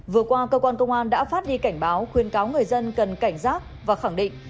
vừa qua cơ quan công an đã phát đi cảnh báo khuyên cáo người dân cần cảnh giác và khẳng định